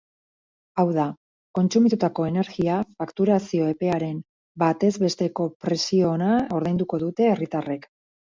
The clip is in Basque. Hau da, kontsumitutako energia fakturazio-epearen batez besteko presiona ordainduko dute herritarrek.